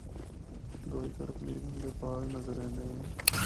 دوئی طرف نیلم دے پہاڑ نظر ایندے ہن۔